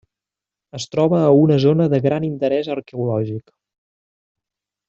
Es troba a una zona de gran interès arqueològic.